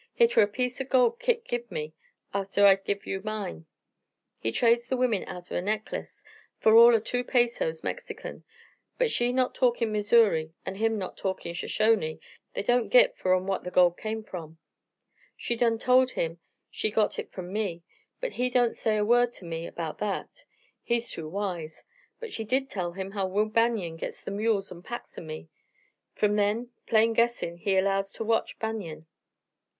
Hit were a piece o' gold Kit give me atter I give you mine. He trades the womern out o' her necklace fer all o' two pesos, Mexican. But she not talkin' Missoury, an' him not talkin' Shoshone, they don't git fur on whar the gold come from. "She done told him she got hit from me, but he don't say a word ter me erbout that; he's too wise. But she did tell him how Will Banion gits some mules an' packs o' me. From then, plain guessin', he allows ter watch Banion.